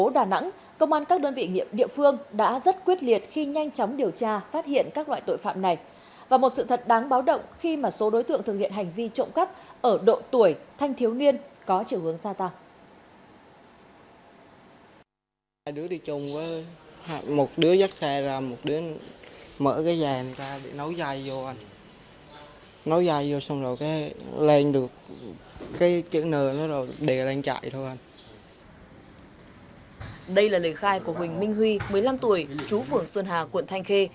đây là lời khai của huỳnh minh huy một mươi năm tuổi chú phường xuân hà quận thanh khê